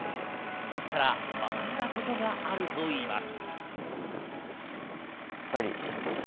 祖父から学んだことがあるといいます。